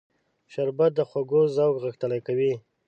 شربت د خوږو ذوق غښتلی کوي